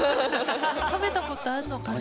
食べた事あるのかな？